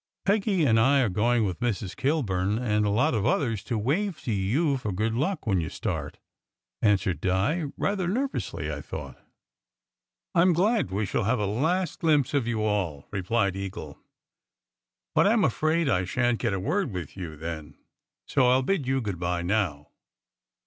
"Peggy and I are going with Mrs. Kilburn and a lot of others to wave to you for good luck, when you start," answered Di, rather nervously, I thought. "I m glad. We shall have a last glimpse of you all," re plied Eagle. "But I m afraid I shan t get a word with you then. So I ll bid you good bye now!"